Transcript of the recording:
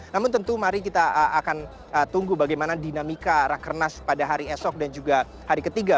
namun tentu mari kita akan tunggu bagaimana dinamika rakernas pada hari esok dan juga hari ketiga